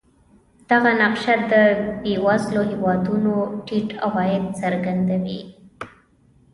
دغه نقشه د بېوزلو هېوادونو ټیټ عواید څرګندوي.